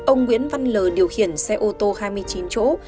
ông n v l điều khiển xe ô tô hai mươi chín chỗ